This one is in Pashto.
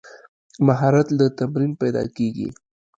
مهارت له تمرین پیدا کېږي.